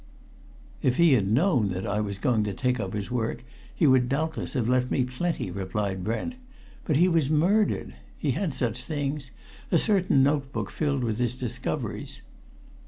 "If he had known that I was going to take up his work he would doubtless have left me plenty," replied Brent. "But he was murdered! He had such things a certain note book, filled with his discoveries."